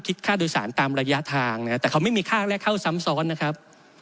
ค่าโดยสารตามระยะทางนะครับแต่เขาไม่มีค่าแรกเข้าซ้ำซ้อนนะครับ